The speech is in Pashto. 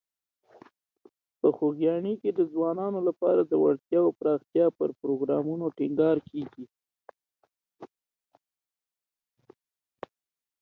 په خوږیاڼي کې د ځوانانو لپاره د وړتیاوو پراختیا پر پروګرامونو ټینګار کیږي.